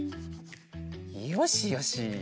よしよし。